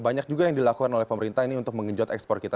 banyak juga yang dilakukan oleh pemerintah ini untuk mengenjot ekspor kita